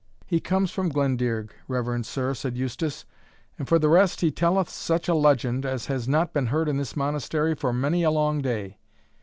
"He comes from Glendearg, reverend sir," said Eustace; "and for the rest, he telleth such a legend, as has not been heard in this Monastery for many a long day."